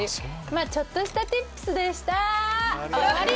ちょっとしたティップスでした終わり！